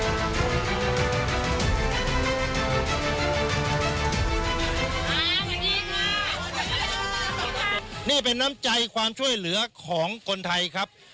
สวัสดีค่ะนี่เป็นน้ำใจความช่วยเหลือของคนไทยครับ